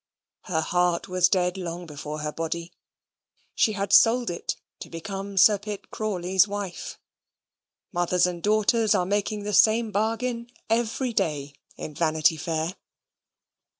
Her heart was dead long before her body. She had sold it to become Sir Pitt Crawley's wife. Mothers and daughters are making the same bargain every day in Vanity Fair.